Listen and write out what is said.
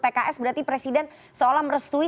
pks berarti presiden seolah merestui